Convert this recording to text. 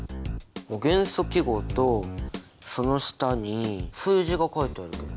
元素記号とその下に数字が書いてあるけど。